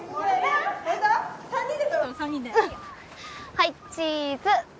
はいチーズ！